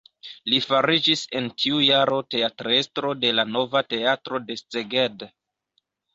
Li fariĝis en tiu jaro teatrestro de la nova teatro de Szeged.